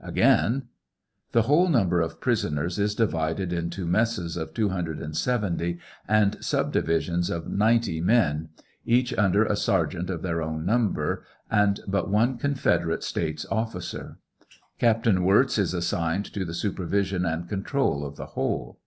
Again : The whole number of prisoners is divided into messes of 270 and subdivisions of 90 men, each under a sergeant of their own number, and but one Confederate States officer. Captain Wirz is assigned to the supervision and control of the whole.